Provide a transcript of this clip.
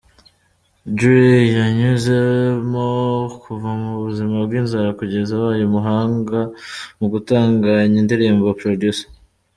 Dre yanyuzemo kuva mu buzima bw’inzara kugeza abaye umuhanga mu gutunganya indirimbo ‘Producer’.